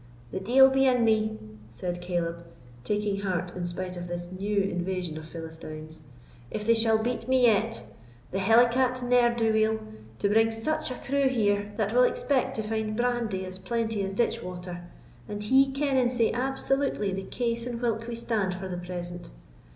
"The deil be in me," said Caleb, taking heart in spite of this new invasion of Philistines, "if they shall beat me yet! The hellicat ne'er do weel! to bring such a crew here, that will expect to find brandy as plenty as ditch water, and he kenning sae absolutely the case in whilk we stand for the present!